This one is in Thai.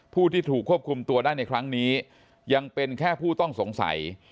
ผู้ที่ถูกควบคุมตัวได้ในครั้งนี้ยังเป็นแค่ผู้ต้องสงสัย